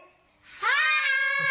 はい！